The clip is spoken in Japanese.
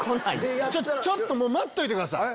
ちょっと待っといてください！